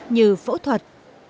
như phẫu thuật